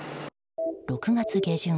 ６月下旬